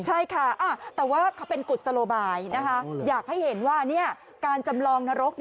ใช่ค่ะแต่ว่าเขาเป็นกุศโลบายนะคะอยากให้เห็นว่าการจำลองนรก